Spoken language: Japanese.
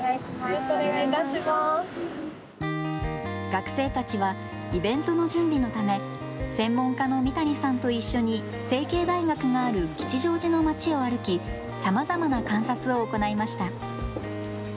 学生たちはイベントの準備のため専門家の三谷さんと一緒に成蹊大学がある吉祥寺のまちを歩きさまざまな観察を行いました。